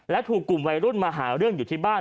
และถูกกลุ่มวัยรุ่นมาหาเรื่องอยู่ที่บ้าน